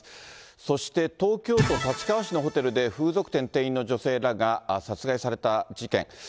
そして東京都立川市のホテルで、風俗店の女性らが殺害された事件。